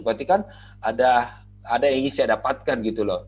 berarti kan ada yang ingin saya dapatkan gitu loh